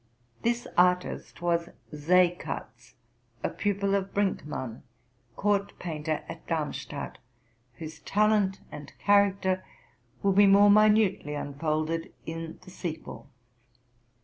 'This artist was Seekatz, a pupil of Brinkmann, court painter at Darmstadt, whose talent and character will be more minutely unfolded in the sequel.